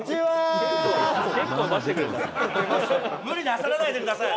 「無理なさらないでください」